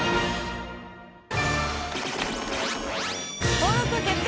登録決定！